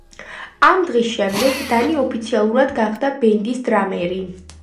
ამ დღის შემდეგ, დანი ოფიციალურად გახდა ბენდის დრამერი.